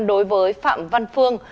đối với phạm văn phương